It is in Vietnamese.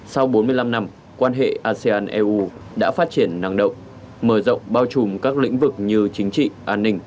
sau bốn mươi năm năm quan hệ asean eu đã phát triển năng động mở rộng bao trùm các lĩnh vực như chính trị an ninh